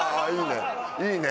いいね！